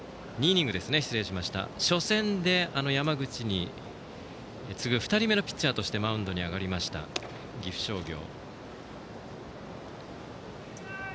初戦で、山口に次ぐ２人目のピッチャーとしてマウンドに上がりました岐阜商業。